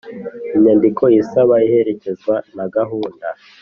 Inyandiko isaba iherekezwa na gahunda